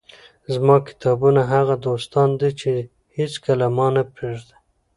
زما کتابونه هغه دوستان دي، چي هيڅکله مانه پرېږي.